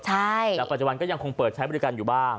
แต่ปัจจัยวันยังเปิดใช้บริการอยู่บ้าง